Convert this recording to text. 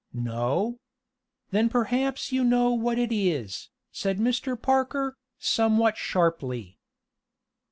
"No. Then perhaps you know what it is," said Mr. Parker, somewhat sharply.